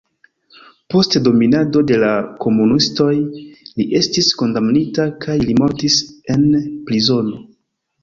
Post dominado de la komunistoj li estis kondamnita kaj li mortis en prizono.